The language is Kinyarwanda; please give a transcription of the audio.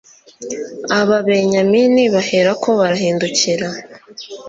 ababenyamini baherako barahindukira